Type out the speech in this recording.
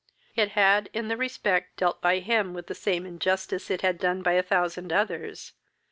It had in the respect dealt by him with the same injustice it had done by a thousand others.